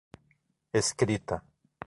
escrita